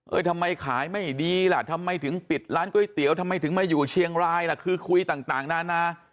ทำไมขายไม่ดีล่ะทำไมถึงปิดร้านก๋วยเตี๋ยวทำไมถึงมาอยู่เชียงรายล่ะคือคุยต่างนานา